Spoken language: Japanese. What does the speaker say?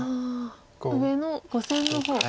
上の５線の方。